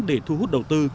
để thu hút đầu tư